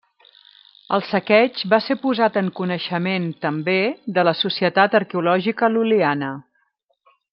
El saqueig va ser posat en coneixement també de la Societat Arqueològica Lul·liana.